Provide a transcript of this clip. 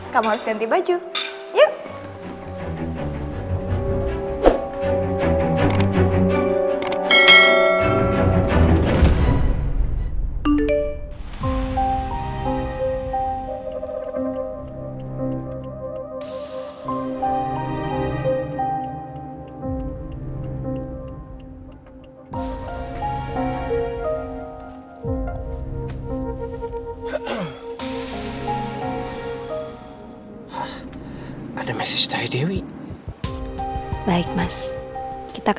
kamu harus ganti baju yuk